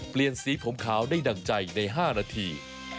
เปลี่ยนสีผมขาวได้ดั่งใจใน๕นาที